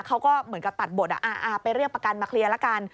เขาก็เหมือนกับตัดบทไปเรียกประกันมาเคลียร์ละกัน